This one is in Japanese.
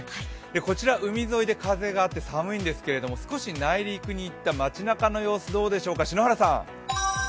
こちら海沿いで風があって寒いんですけれども少し内陸に行った街なかの様子どうでしょうか、篠原さん。